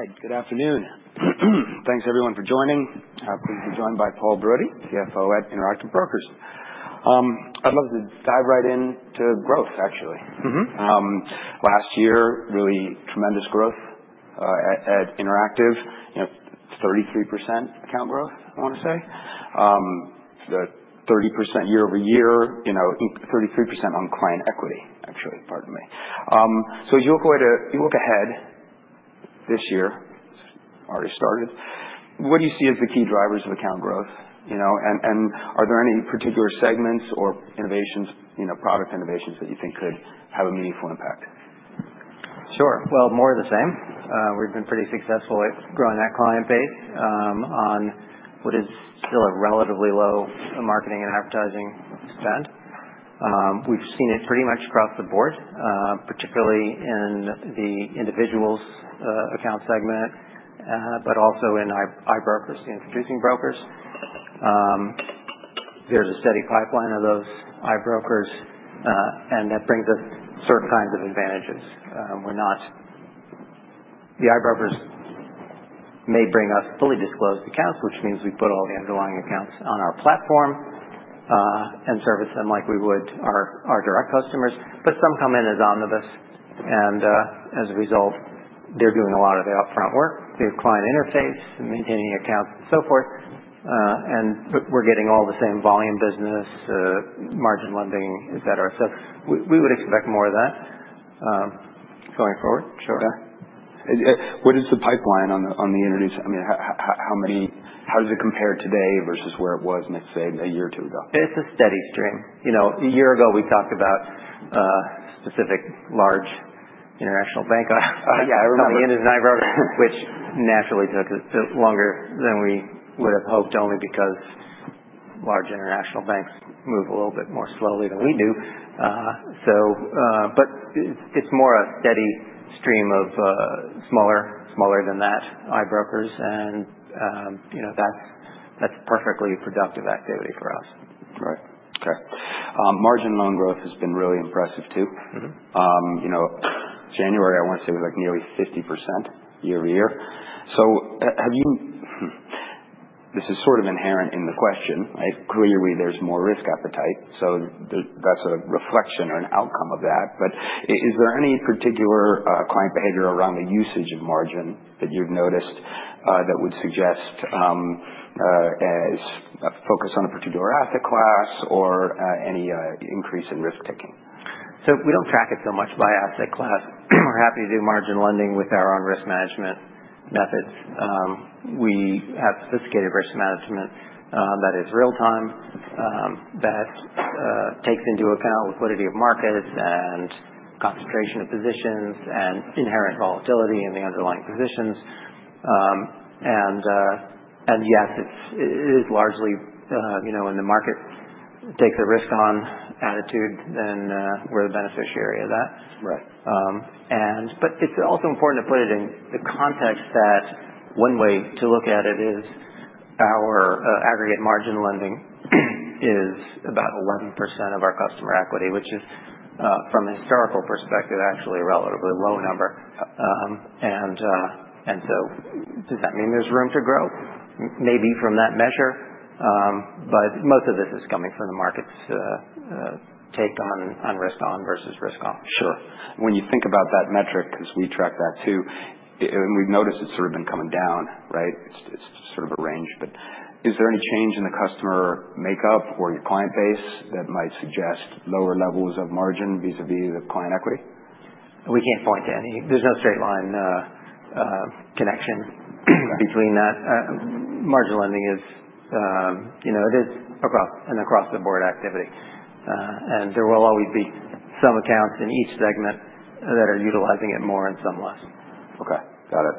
Hi, good afternoon. Thanks, everyone, for joining. Pleased to be joined by Paul Brody, CFO at Interactive Brokers. I'd love to dive right into growth, actually. Last year, really tremendous growth at Interactive, 33% account growth, I want to say. The 30% year-over-year, 33% on client equity, actually, pardon me. So as you look ahead this year, already started, what do you see as the key drivers of account growth? And are there any particular segments or innovations, product innovations that you think could have a meaningful impact? Sure, well, more of the same. We've been pretty successful at growing that client base on what is still a relatively low marketing and advertising spend. We've seen it pretty much across the board, particularly in the individuals' account segment, but also in I-Brokers and introducing brokers. There's a steady pipeline of those I-Brokers, and that brings us certain kinds of advantages. The I-Brokers may bring us fully disclosed accounts, which means we put all the underlying accounts on our platform and service them like we would our direct customers. But some come in as omnibus, and as a result, they're doing a lot of the upfront work, the client interface, maintaining accounts, and so forth. And we're getting all the same volume business, margin lending, etc., so we would expect more of that going forward, sure. What is the pipeline on the introducing? How does it compare today versus where it was, say, a year or two ago? It's a steady stream. A year ago, we talked about specific large international bank. Yeah, I remember the which naturally took longer than we would have hoped, only because large international banks move a little bit more slowly than we do, but it's more a steady stream of smaller than that I-Brokers, and that's perfectly productive activity for us. Right. Okay. Margin loan growth has been really impressive, too. January, I want to say, was like nearly 50% year-over-year. So this is sort of inherent in the question. Clearly, there's more risk appetite, so that's a reflection or an outcome of that. But is there any particular client behavior around the usage of margin that you've noticed that would suggest a focus on a particular asset class or any increase in risk-taking? So we don't track it so much by asset class. We're happy to do margin lending with our own risk management methods. We have sophisticated risk management that is real-time, that takes into account liquidity of markets and concentration of positions and inherent volatility in the underlying positions. And yes, it is largely if the market takes a risk-on attitude, then we're the beneficiary of that. But it's also important to put it in the context that one way to look at it is our aggregate margin lending is about 11% of our customer equity, which is, from a historical perspective, actually a relatively low number. And so does that mean there's room to grow? Maybe from that measure, but most of this is coming from the market's take on risk-on versus risk-off. Sure. When you think about that metric, because we track that, too, and we've noticed it's sort of been coming down, right? It's sort of a range. But is there any change in the customer makeup or your client base that might suggest lower levels of margin vis-à-vis the client equity? We can't point to any. There's no straight line connection between that. Margin lending is an across-the-board activity, and there will always be some accounts in each segment that are utilizing it more and some less. Okay. Got it.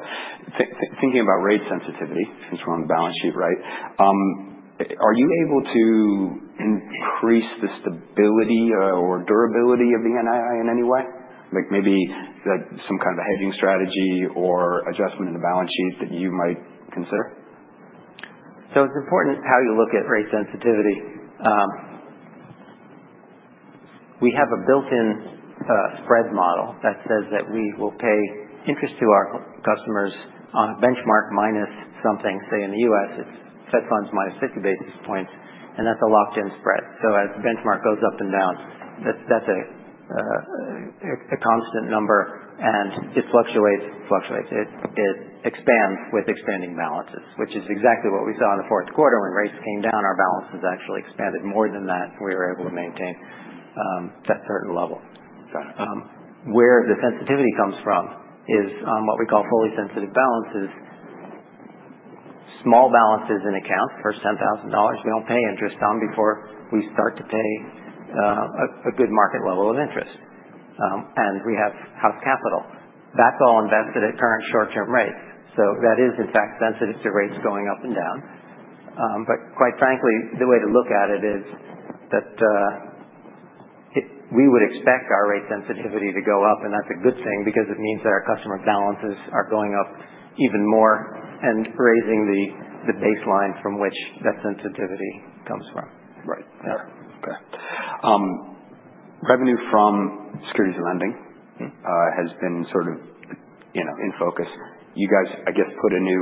Thinking about rate sensitivity, since we're on the balance sheet, right? Are you able to increase the stability or durability of the NII in any way? Maybe some kind of a hedging strategy or adjustment in the balance sheet that you might consider? So it's important how you look at rate sensitivity. We have a built-in spread model that says that we will pay interest to our customers on a benchmark minus something. Say in the U.S., it's Fed funds minus 50 basis points, and that's a locked-in spread. So as the benchmark goes up and down, that's a constant number, and it fluctuates. It fluctuates. It expands with expanding balances, which is exactly what we saw in the fourth quarter when rates came down. Our balances actually expanded more than that, and we were able to maintain that certain level. Where the sensitivity comes from is on what we call fully sensitive balances, small balances in accounts, first $10,000. We don't pay interest on before we start to pay a good market level of interest. And we have house capital. That's all invested at current short-term rates. So that is, in fact, sensitive to rates going up and down. But quite frankly, the way to look at it is that we would expect our rate sensitivity to go up, and that's a good thing because it means that our customer balances are going up even more and raising the baseline from which that sensitivity comes from. Right. Okay. Revenue from securities lending has been sort of in focus. You guys, I guess, put a new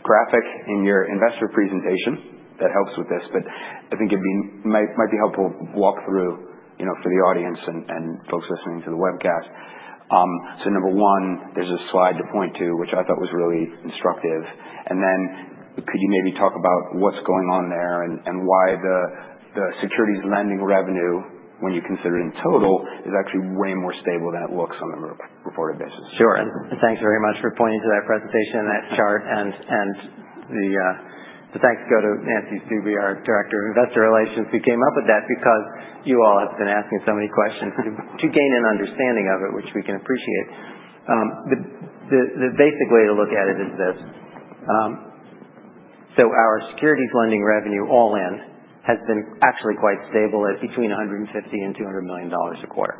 graphic in your investor presentation that helps with this, but I think it might be helpful to walk through for the audience and folks listening to the webcast, so number one, there's a slide to point to, which I thought was really instructive, and then could you maybe talk about what's going on there and why the securities lending revenue, when you consider it in total, is actually way more stable than it looks on the reported basis? Sure, and thanks very much for pointing to that presentation and that chart. The thanks go to Nancy Stuebe, our Director of Investor Relations, who came up with that because you all have been asking so many questions to gain an understanding of it, which we can appreciate. The basic way to look at it is this: so our securities lending revenue all in has been actually quite stable at between $150 and $200 million a quarter.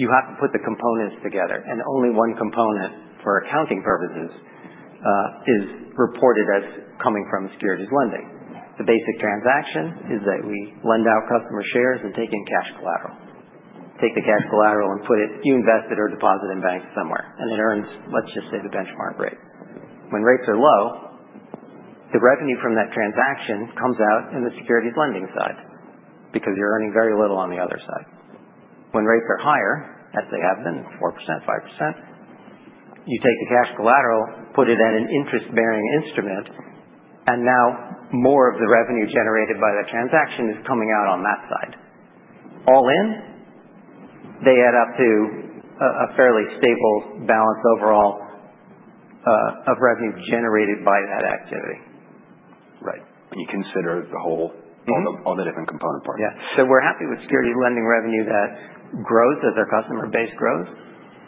You have to put the components together, and only one component for accounting purposes is reported as coming from securities lending. The basic transaction is that we lend out customer shares and take in cash collateral. Take the cash collateral and put it, you invest it or deposit it in banks somewhere, and it earns, let's just say, the benchmark rate. When rates are low, the revenue from that transaction comes out in the securities lending side because you're earning very little on the other side. When rates are higher, as they have been, 4%-5%, you take the cash collateral, put it at an interest-bearing instrument, and now more of the revenue generated by that transaction is coming out on that side. All in, they add up to a fairly stable balance overall of revenue generated by that activity. Right. When you consider all the different component parts. Yeah. So we're happy with securities lending revenue that grows as our customer base grows.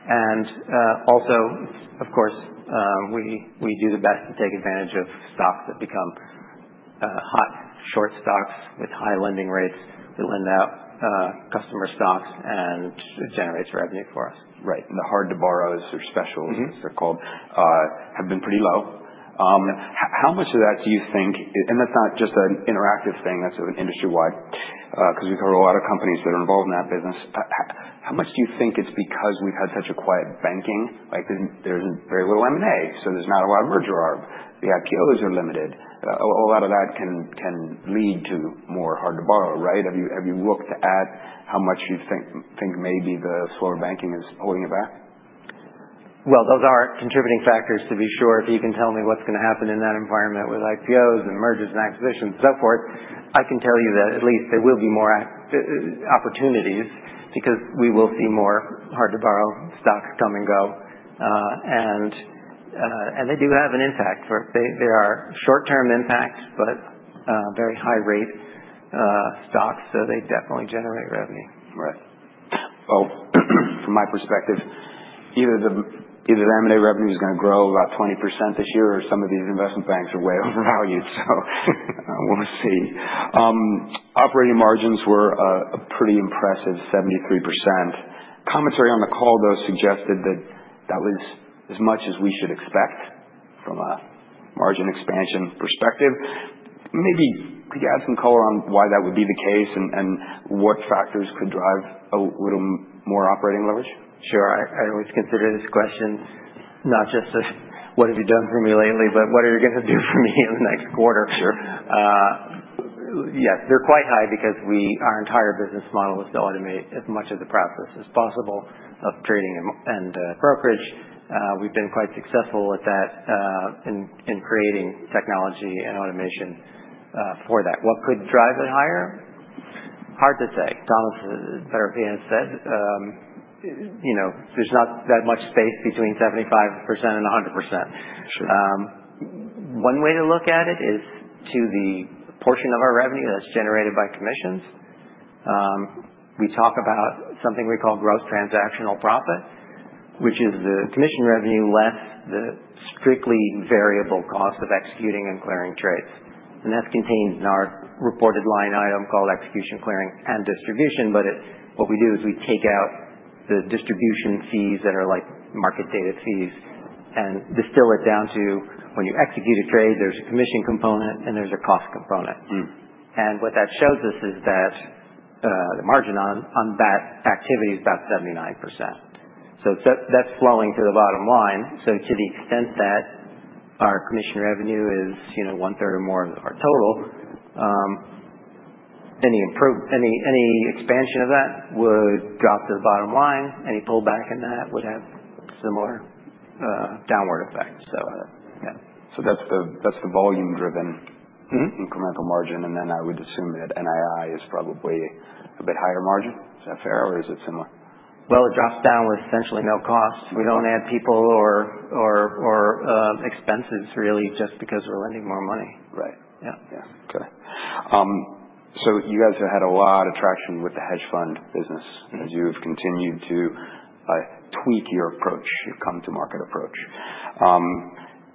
And also, of course, we do the best to take advantage of stocks that become hot, short stocks with high lending rates. We lend out customer stocks, and it generates revenue for us. Right. And the hard-to-borrows or specials, as they're called, have been pretty low. How much of that do you think—and that's not just an Interactive thing, that's an industry-wide—because we've heard a lot of companies that are involved in that business. How much do you think it's because we've had such a quiet banking? There's very little M&A, so there's not a lot of merger arb. The IPOs are limited. A lot of that can lead to more hard-to-borrow, right? Have you looked at how much you think maybe the slower banking is holding you back? Those are contributing factors, to be sure. If you can tell me what's going to happen in that environment with IPOs and mergers and acquisitions and so forth, I can tell you that at least there will be more opportunities because we will see more hard-to-borrow stocks come and go. They do have an impact. They are short-term impact, but very high-rate stocks, so they definitely generate revenue. Right. Well, from my perspective, either the M&A revenue is going to grow about 20% this year or some of these investment banks are way overvalued, so we'll see. Operating margins were a pretty impressive 73%. Commentary on the call, though, suggested that that was as much as we should expect from a margin expansion perspective. Maybe could you add some color on why that would be the case and what factors could drive a little more operating leverage? Sure. I always consider this question, not just what have you done for me lately, but what are you going to do for me in the next quarter? Yes, they're quite high because our entire business model is to automate as much of the process as possible of trading and brokerage. We've been quite successful at that in creating technology and automation for that. What could drive it higher? Hard to say. Thomas has said there's not that much space between 75% and 100%. One way to look at it is to the portion of our revenue that's generated by commissions. We talk about something we call gross transactional profit, which is the commission revenue less the strictly variable cost of executing and clearing trades, and that's contained in our reported line item called execution, clearing, and distribution. But what we do is we take out the distribution fees that are like market data fees and distill it down to when you execute a trade, there's a commission component and there's a cost component. And what that shows us is that the margin on that activity is about 79%. So that's flowing to the bottom line. So to the extent that our commission revenue is one-third or more of our total, any expansion of that would drop to the bottom line. Any pullback in that would have similar downward effects. So that's the volume-driven incremental margin, and then I would assume that NII is probably a bit higher margin. Is that fair, or is it similar? It drops down with essentially no cost. We don't add people or expenses, really, just because we're lending more money. Right. Yeah. Okay. So you guys have had a lot of traction with the hedge fund business as you have continued to tweak your approach, your come-to-market approach. How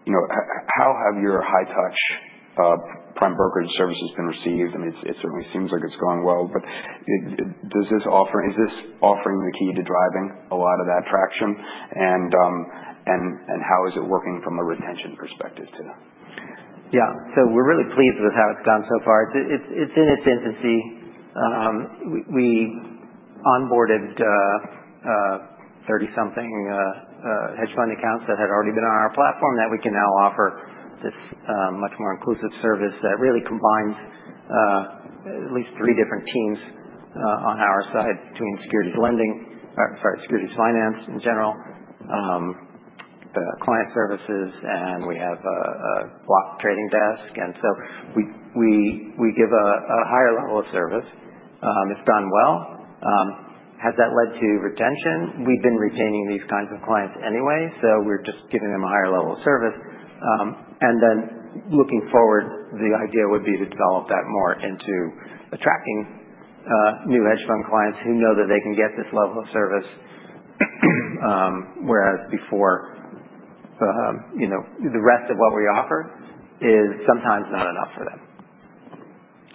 have your high-touch Prime Brokerage services been received? I mean, it certainly seems like it's going well, but is this offering the key to driving a lot of that traction? And how is it working from a retention perspective too? Yeah. So we're really pleased with how it's gone so far. It's in its infancy. We onboarded 30-something hedge fund accounts that had already been on our platform that we can now offer this much more inclusive service that really combines at least three different teams on our side between securities lending, sorry, securities finance in general, client services, and we have a block trading desk. And so we give a higher level of service. It's gone well. Has that led to retention? We've been retaining these kinds of clients anyway, so we're just giving them a higher level of service. And then looking forward, the idea would be to develop that more into attracting new hedge fund clients who know that they can get this level of service, whereas before the rest of what we offer is sometimes not enough for them.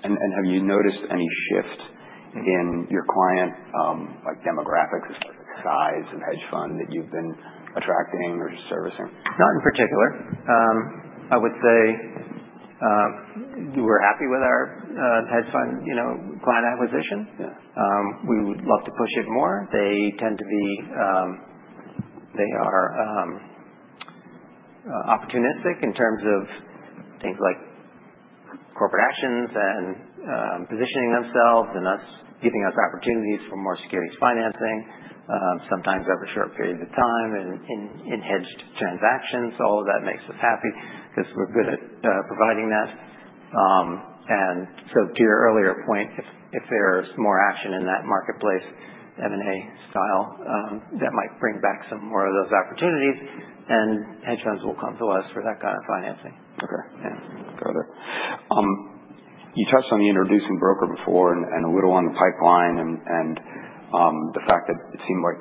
Have you noticed any shift in your client demographics as far as the size of hedge fund that you've been attracting or servicing? Not in particular. I would say we're happy with our hedge fund client acquisition. We would love to push it more. They are opportunistic in terms of things like corporate actions and positioning themselves and giving us opportunities for more securities financing, sometimes over a short period of time in hedged transactions. All of that makes us happy because we're good at providing that, and so to your earlier point, if there's more action in that marketplace, M&A style, that might bring back some more of those opportunities, and hedge funds will come to us for that kind of financing. Okay. Got it. You touched on the introducing broker before and a little on the pipeline and the fact that it seemed like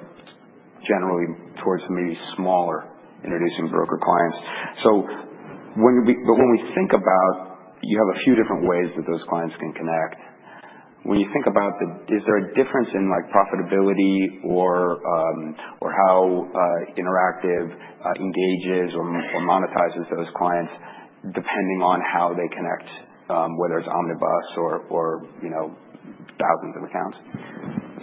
generally towards maybe smaller introducing broker clients. But when we think about, you have a few different ways that those clients can connect. When you think about the, is there a difference in profitability or how Interactive engages or monetizes those clients depending on how they connect, whether it's omnibus or thousands of accounts?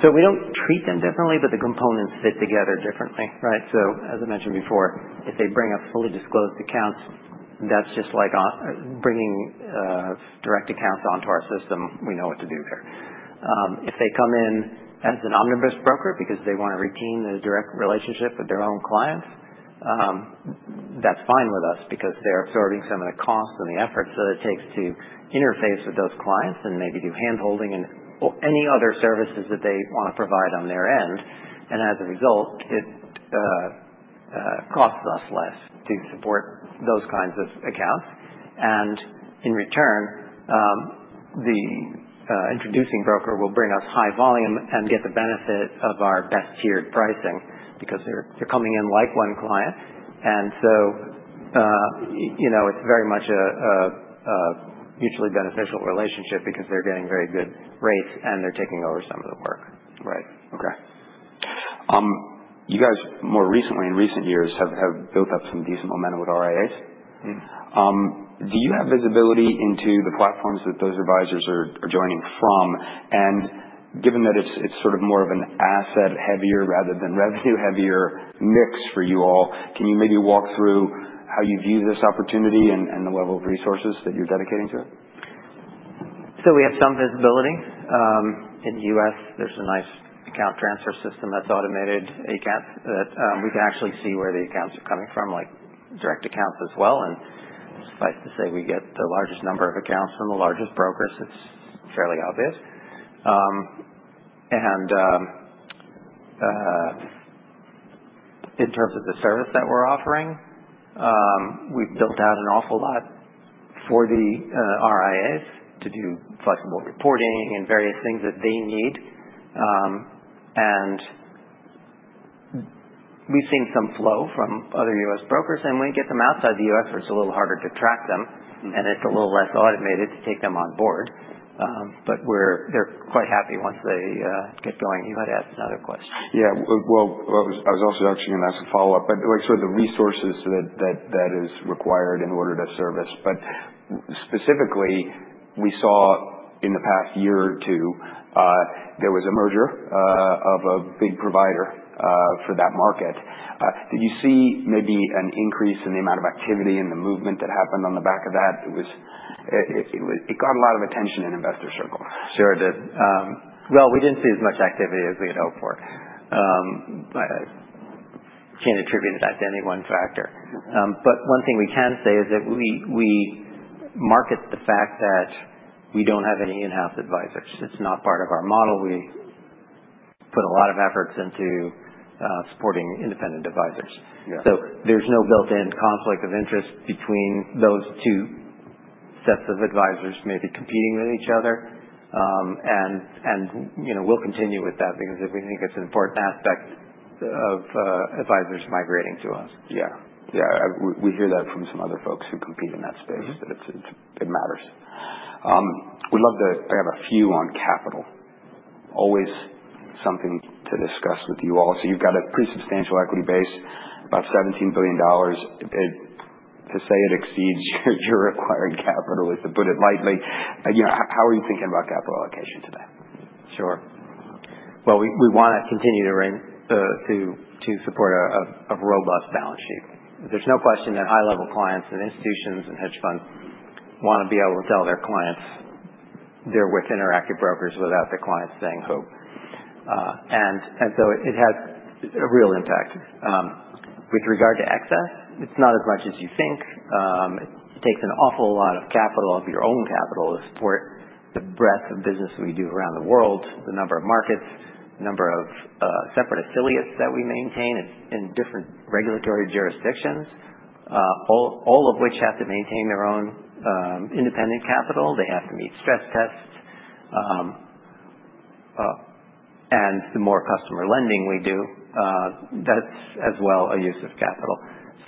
So we don't treat them differently, but the components fit together differently, right? So as I mentioned before, if they bring a fully disclosed account, that's just like bringing direct accounts onto our system. We know what to do there. If they come in as an omnibus broker because they want to retain the direct relationship with their own clients, that's fine with us because they're absorbing some of the costs and the efforts that it takes to interface with those clients and maybe do handholding and any other services that they want to provide on their end. And as a result, it costs us less to support those kinds of accounts. And in return, the introducing broker will bring us high volume and get the benefit of our best-tiered pricing because they're coming in like one client. And so it's very much a mutually beneficial relationship because they're getting very good rates and they're taking over some of the work. Right. Okay. You guys more recently, in recent years, have built up some decent momentum with RIAs. Do you have visibility into the platforms that those advisors are joining from? And given that it's sort of more of an asset-heavier rather than revenue-heavier mix for you all, can you maybe walk through how you view this opportunity and the level of resources that you're dedicating to it? So we have some visibility. In the U.S., there's a nice account transfer system that's automated, ACAT, that we can actually see where the accounts are coming from, like direct accounts as well. And suffice to say, we get the largest number of accounts from the largest brokers, so it's fairly obvious. And in terms of the service that we're offering, we've built out an awful lot for the RIAs to do flexible reporting and various things that they need. And we've seen some flow from other U.S. brokers, and when you get them outside the U.S., it's a little harder to track them, and it's a little less automated to take them on board. But they're quite happy once they get going. You might ask another question. Yeah, well, I was also actually going to ask a follow-up, but sort of the resources that are required in order to service, but specifically, we saw in the past year or two, there was a merger of a big provider for that market. Did you see maybe an increase in the amount of activity and the movement that happened on the back of that? It got a lot of attention in investor circles. Sure did. We didn't see as much activity as we had hoped for. I can't attribute it to any one factor. One thing we can say is that we market the fact that we don't have any in-house advisors. It's not part of our model. We put a lot of efforts into supporting independent advisors. There's no built-in conflict of interest between those two sets of advisors maybe competing with each other. We'll continue with that because we think it's an important aspect of advisors migrating to us. Yeah. Yeah. We hear that from some other folks who compete in that space, that it matters. We'd love to—I have a few on capital. Always something to discuss with you all. So you've got a pretty substantial equity base, about $17 billion. To say it exceeds your required capital, to put it lightly. How are you thinking about capital allocation today? Sure. Well, we want to continue to support a robust balance sheet. There's no question that high-level clients and institutions and hedge funds want to be able to tell their clients they're with Interactive Brokers without their clients saying so. And so it has a real impact. With regard to excess, it's not as much as you think. It takes an awful lot of capital, of your own capital, to support the breadth of business we do around the world, the number of markets, the number of separate affiliates that we maintain in different regulatory jurisdictions, all of which have to maintain their own independent capital. They have to meet stress tests. And the more customer lending we do, that's as well a use of capital.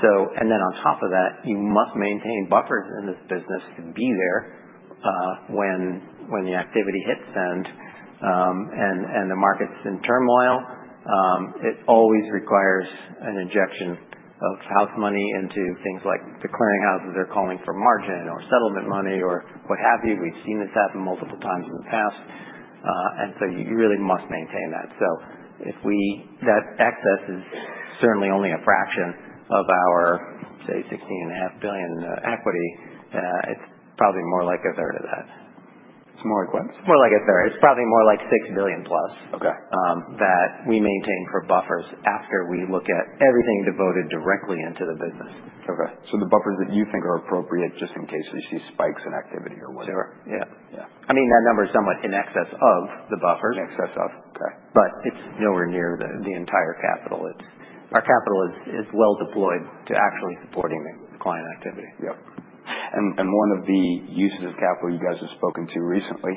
And then on top of that, you must maintain buffers in this business to be there when the activity hits and the market's in turmoil. It always requires an injection of house money into things like the clearinghouses are calling for margin or settlement money or what have you. We've seen this happen multiple times in the past. And so you really must maintain that. So that excess is certainly only a fraction of our, say, $16.5 billion equity. It's probably more like a third of that. It's more like what? It's more like a third. It's probably more like six billion plus that we maintain for buffers after we look at everything devoted directly into the business. Okay. So the buffers that you think are appropriate just in case we see spikes in activity or whatever? Sure. Yeah. I mean, that number is somewhat in excess of the buffers. In excess of. Okay. But it's nowhere near the entire capital. Our capital is well deployed to actually supporting the client activity. Yep. And one of the uses of capital you guys have spoken to recently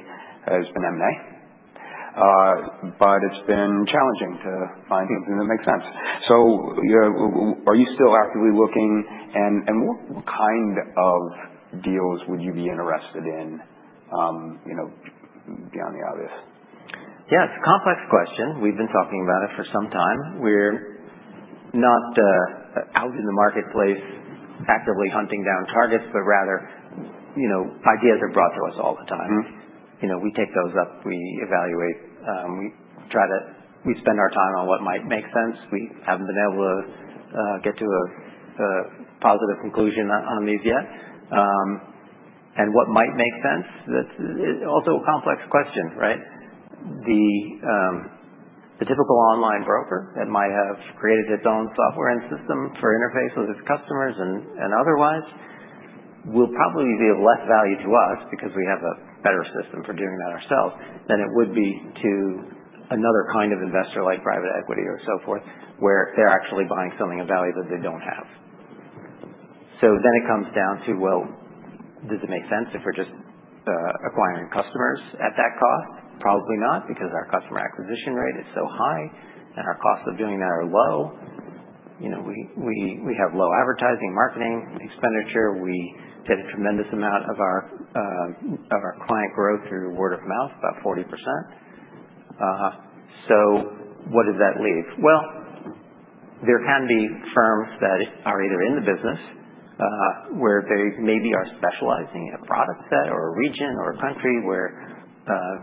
has been M&A, but it's been challenging to find something that makes sense. So are you still actively looking? And what kind of deals would you be interested in beyond the obvious? Yeah. It's a complex question. We've been talking about it for some time. We're not out in the marketplace actively hunting down targets, but rather ideas are brought to us all the time. We take those up. We evaluate. We spend our time on what might make sense. We haven't been able to get to a positive conclusion on these yet. And what might make sense? That's also a complex question, right? The typical online broker that might have created its own software and system for interface with its customers and otherwise will probably be of less value to us because we have a better system for doing that ourselves than it would be to another kind of investor like private equity or so forth, where they're actually buying something of value that they don't have. So then it comes down to, well, does it make sense if we're just acquiring customers at that cost? Probably not because our customer acquisition rate is so high and our costs of doing that are low. We have low advertising, marketing expenditure. We get a tremendous amount of our client growth through word of mouth, about 40%. So what does that leave? Well, there can be firms that are either in the business where they maybe are specializing in a product set or a region or a country where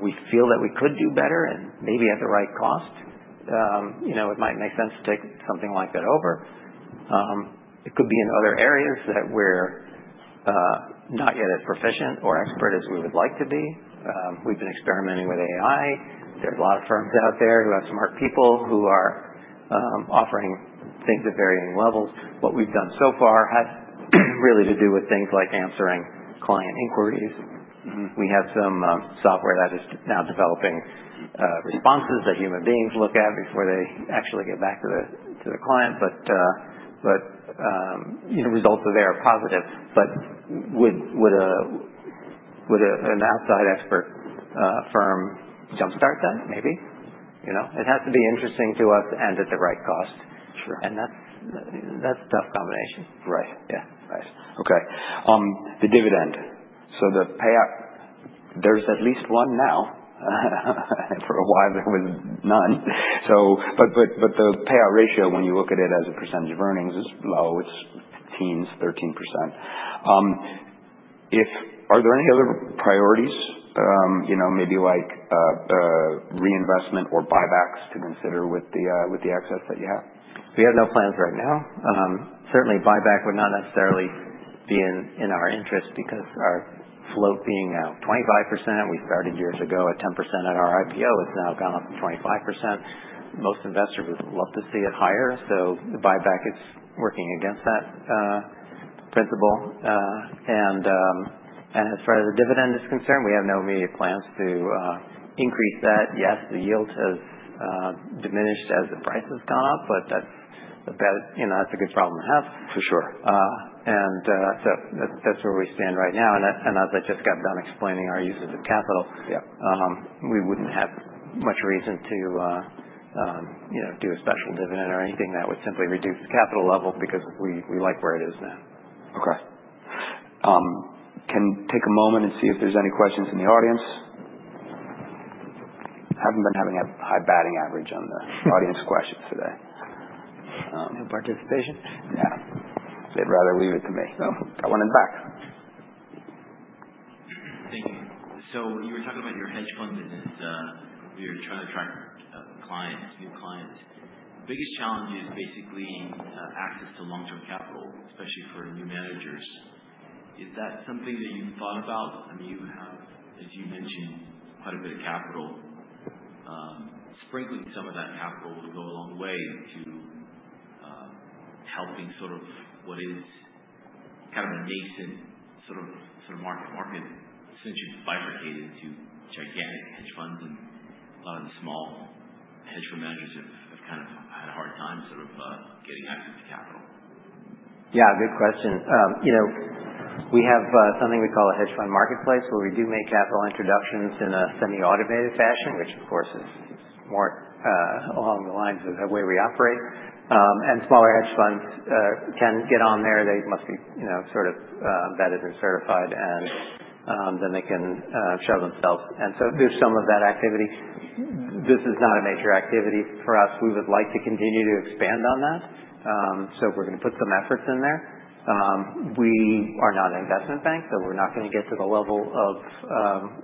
we feel that we could do better and maybe at the right cost. It might make sense to take something like that over. It could be in other areas that we're not yet as proficient or expert as we would like to be. We've been experimenting with AI. There's a lot of firms out there who have smart people who are offering things at varying levels. What we've done so far has really to do with things like answering client inquiries. We have some software that is now developing responses that human beings look at before they actually get back to the client, but results are there are positive, but would an outside expert firm jump-start that? Maybe. It has to be interesting to us and at the right cost, and that's a tough combination. Right. Yeah. Nice. Okay. The dividend. So the payout, there's at least one now. For a while, there was none. But the payout ratio, when you look at it as a percentage of earnings, is low. It's teens, 13%. Are there any other priorities, maybe like reinvestment or buybacks to consider with the excess that you have? We have no plans right now. Certainly, buyback would not necessarily be in our interest because our float being now 25%. We started years ago at 10% on our IPO. It's now gone up to 25%. Most investors would love to see it higher. So the buyback is working against that principle. And as far as the dividend is concerned, we have no immediate plans to increase that. Yes, the yield has diminished as the price has gone up, but that's a good problem to have. For sure. And so that's where we stand right now. And as I just got done explaining our uses of capital, we wouldn't have much reason to do a special dividend or anything that would simply reduce the capital level because we like where it is now. Okay. Can take a moment and see if there's any questions in the audience. Haven't been having a high batting average on the audience questions today. No participation? Yeah. They'd rather leave it to me. I wanted back. Thank you, so you were talking about your hedge fund business. We were trying to attract clients, new clients. The biggest challenge is basically access to long-term capital, especially for new managers. Is that something that you've thought about? I mean, you have, as you mentioned, quite a bit of capital. Sprinkling some of that capital will go a long way to helping sort of what is kind of a nascent sort of market since you've bifurcated into gigantic hedge funds, and a lot of the small hedge fund managers have kind of had a hard time sort of getting access to capital. Yeah. Good question. We have something we call a Hedge Fund Marketplace where we do make capital introductions in a semi-automated fashion, which, of course, is more along the lines of the way we operate. And smaller hedge funds can get on there. They must be sort of vetted and certified, and then they can show themselves. And so there's some of that activity. This is not a major activity for us. We would like to continue to expand on that. So we're going to put some efforts in there. We are not an investment bank, so we're not going to get to the level of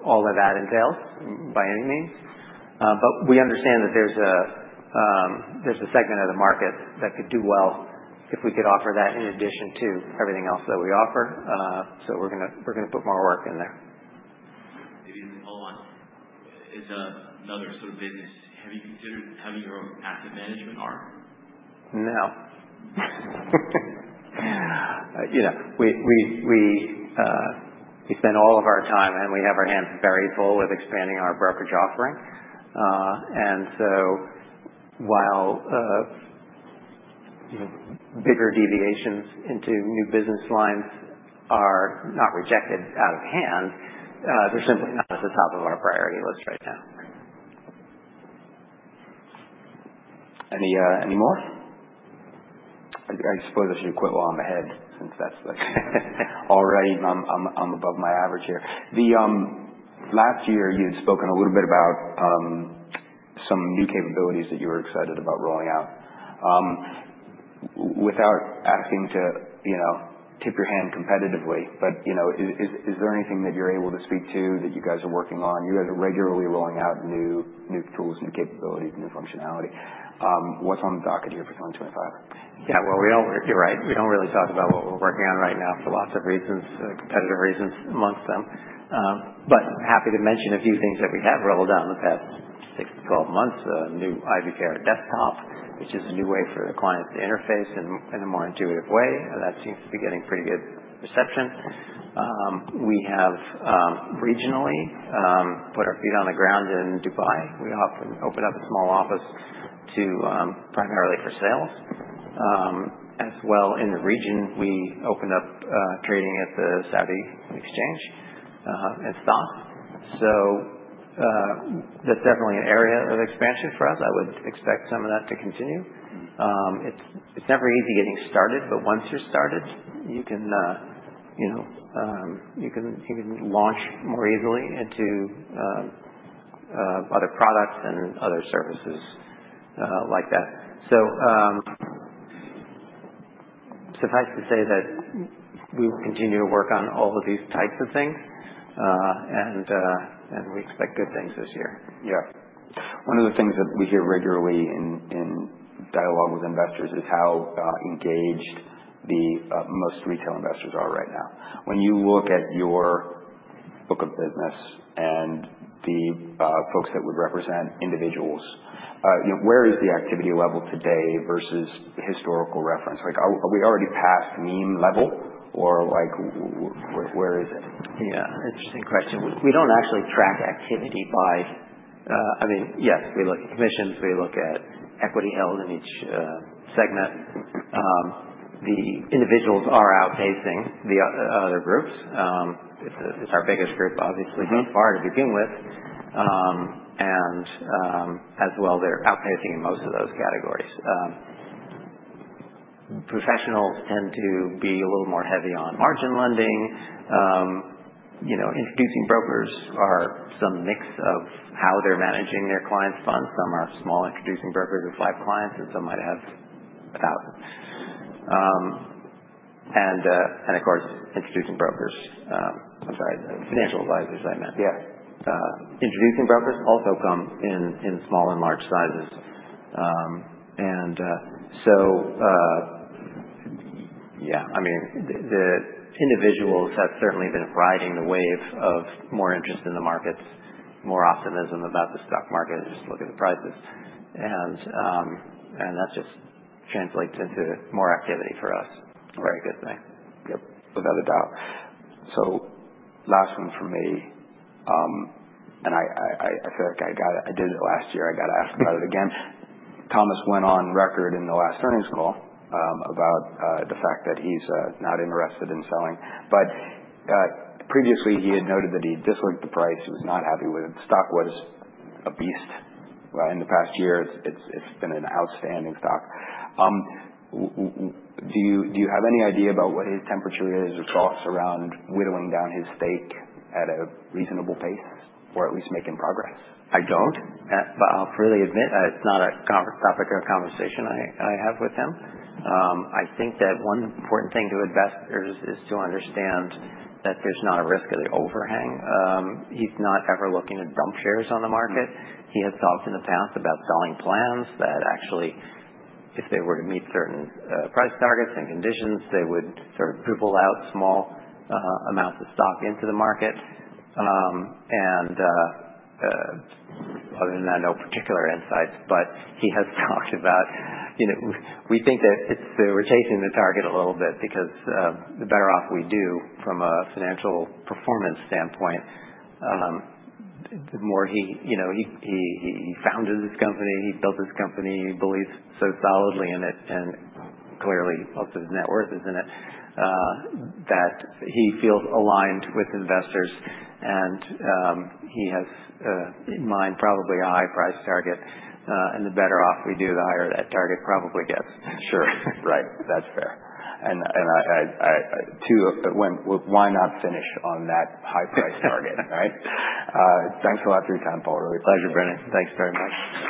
all that that entails by any means. But we understand that there's a segment of the market that could do well if we could offer that in addition to everything else that we offer. So we're going to put more work in there. Maybe just a follow-on. In another sort of business, have you considered having your own asset management arm? No. We spend all of our time, and we have our hands very full with expanding our brokerage offering. And so while bigger deviations into new business lines are not rejected out of hand, they're simply not at the top of our priority list right now. Any more? I suppose I should quit while I'm ahead since that's already, I'm above my average here. Last year, you had spoken a little bit about some new capabilities that you were excited about rolling out. Without asking to tip your hand competitively, but is there anything that you're able to speak to that you guys are working on? You guys are regularly rolling out new tools, new capabilities, new functionality. What's on the docket here for 2025? Yeah. You're right. We don't really talk about what we're working on right now for lots of reasons, competitive reasons among them. Happy to mention a few things that we have rolled out in the past 6, 12 months: a new IBKR Desktop, which is a new way for the clients to interface in a more intuitive way. That seems to be getting pretty good reception. We have regionally put our feet on the ground in Dubai. We often open up a small office primarily for sales. As well, in the region, we opened up trading at the Saudi Exchange and [SA]. That's definitely an area of expansion for us. I would expect some of that to continue. It's never easy getting started, but once you're started, you can launch more easily into other products and other services like that. So suffice to say that we will continue to work on all of these types of things, and we expect good things this year. Yeah. One of the things that we hear regularly in dialogue with investors is how engaged the most retail investors are right now. When you look at your book of business and the folks that would represent individuals, where is the activity level today versus historical reference? Are we already past meme level, or where is it? Yeah. Interesting question. We don't actually track activity by, I mean, yes, we look at commissions. We look at equity held in each segment. The individuals are outpacing the other groups. It's our biggest group, obviously, by far to begin with. And as well, they're outpacing in most of those categories. Professionals tend to be a little more heavy on margin lending. Introducing Brokers are some mix of how they're managing their clients' funds. Some are small introducing brokers with five clients, and some might have a thousand. And of course, introducing brokers, I'm sorry, financial advisors, I meant. Yeah. Introducing brokers also come in small and large sizes. So, yeah, I mean, the individuals have certainly been riding the wave of more interest in the markets, more optimism about the stock market. Just look at the prices. That just translates into more activity for us. Very good thing. Yep. Without a doubt. So last one from me, and I feel like I did it last year. I got asked about it again. Thomas went on record in the last earnings call about the fact that he's not interested in selling. But previously, he had noted that he disliked the price. He was not happy with it. The stock was a beast in the past year. It's been an outstanding stock. Do you have any idea about what his temperature is or thoughts around whittling down his stake at a reasonable pace or at least making progress? I don't. But I'll freely admit, it's not a topic of conversation I have with him. I think that one important thing to investors is to understand that there's not a risk of the overhang. He's not ever looking at dump shares on the market. He has talked in the past about selling plans that actually, if they were to meet certain price targets and conditions, they would sort of dribble out small amounts of stock into the market. And other than that, no particular insights. But he has talked about, we think that we're chasing the target a little bit because the better off we do from a financial performance standpoint, the more he founded this company, he built this company, he believes so solidly in it, and clearly most of his net worth is in it, that he feels aligned with investors. He has in mind probably a high price target. The better off we do, the higher that target probably gets. Sure. Right. That's fair. And two, why not finish on that high price target, right? Thanks a lot for your time, Paul. Real pleasure, Brendan. Thanks very much.